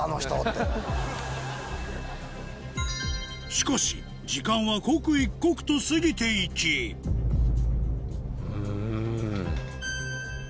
しかし時間は刻一刻と過ぎていきうん。